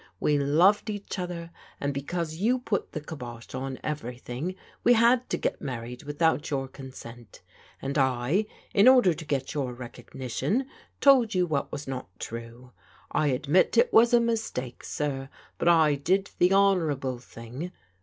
We loved each other, and because you put the kybosh on every thing, we had to get married without your consent, and I, in order to get your recognition, told you what was not true. I admit it was a mistake, sir; but I did the honourable thing.